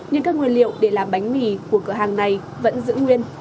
nhưng các nguyên liệu để làm bánh mì của cửa hàng này vẫn giữ nguyên